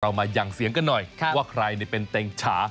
มาอย่างเสียงกันหน่อยว่าใครเป็นเต็งฉา